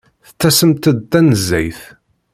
Tettasemt-d tanezzayt.